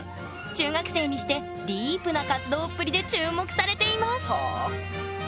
中学生にしてディープな活動っぷりで注目されています。